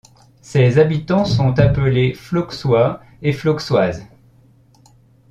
Ses habitants sont appelés Flauxois et Flauxoises.